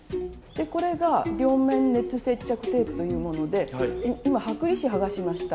これが両面熱接着テープというもので今剥離紙剥がしました。